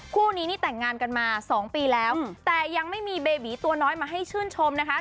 คู่นี้นี่แต่งงานกันมาสองปีแล้วแต่ยังไม่มีเบบีตัวน้อยมาให้ชื่นชมนะคะ